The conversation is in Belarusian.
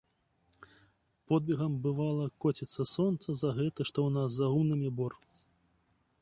Подбегам, бывала, коціцца сонца за гэты, што ў нас за гумнамі, бор.